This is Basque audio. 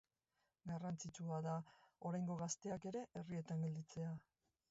Garrantzitsua da oraingo gazteak ere herrietan gelditzea